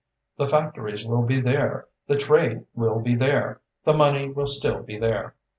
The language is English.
"The factories will be there, the trade will be there, the money will still be there.